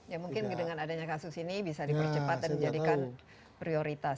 ya mungkin dengan adanya kasus ini bisa dipercepat dan dijadikan prioritas